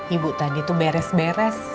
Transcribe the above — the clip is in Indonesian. ibu tadi tuh beres beres